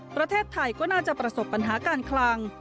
ประเทศไทยก็น่าจะประสบปัญหาการคลัง